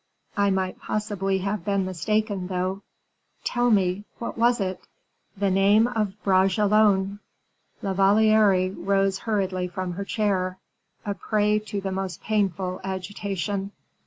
"I might possibly have been mistaken, though " "Tell me, what was it?" "The name of Bragelonne." La Valliere rose hurriedly from her chair, a prey to the most painful agitation.